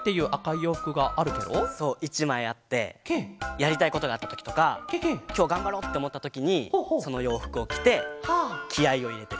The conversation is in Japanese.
やりたいことがあったときとかきょうがんばろうっておもったときにそのようふくをきてきあいをいれてる。